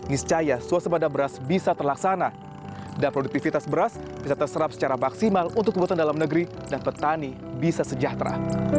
niscaya suasebada beras bisa terlaksana dan produktivitas beras bisa terserap secara maksimal untuk kebutuhan dalam negeri dan petani bisa sejahtera